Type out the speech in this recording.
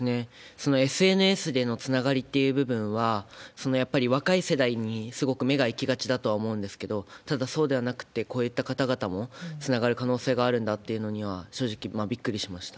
そのＳＮＳでのつながりという部分は、やっぱり若い世代にすごく目が行きがちだとは思うんですけれども、ただ、そうではなくて、こういった方々もつながる可能性があるんだっていうのには正直びっくりしました。